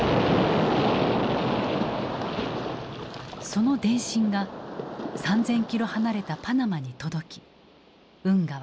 その電信が３，０００キロ離れたパナマに届き運河はつながった。